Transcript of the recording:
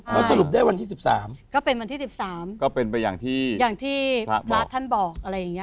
แล้วสรุปได้วันที่๑๓ก็เป็นวันที่๑๓ก็เป็นไปอย่างที่อย่างที่พระท่านบอกอะไรอย่างนี้